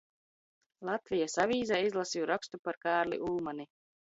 "Latvijas Avīzē" izlasīju rakstu par Kārli Ulmani.